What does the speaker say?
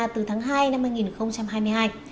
từ tháng hai năm hai nghìn hai mươi hai